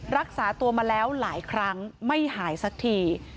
รักษาตัวมาแล้วหลายครั้งไม่หายสักที